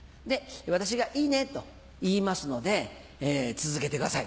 私が「いいね」と言いますので続けてください。